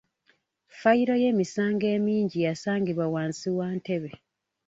Ffayiro y'emisango emingi yasangibwa wansi wa ntebe.